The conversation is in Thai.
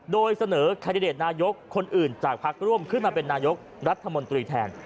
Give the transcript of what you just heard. โดยเสนอแคนดิเดตนายกคนอื่นจากพักร่วมขึ้นมาเป็นนายกรัฐมนตรีแทน